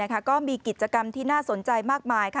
ก็มีกิจกรรมที่น่าสนใจมากมาย